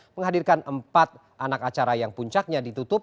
menghadirkan empat anak acara yang puncaknya ditutup